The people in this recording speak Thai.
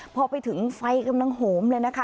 พอไปถึงไฟกำลังโหมเลยนะคะ